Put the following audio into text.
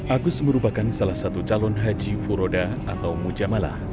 agus merupakan salah satu calon haji furoda atau mujamalah